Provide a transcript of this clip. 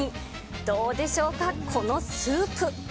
どうでしょうか、このスープ。